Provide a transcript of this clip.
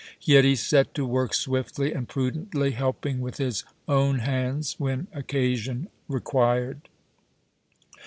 Yet he set to work swiftly and prudently, helping with his own hands when occasion required.